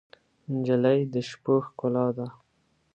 نجلۍ د شپو ښکلا ده.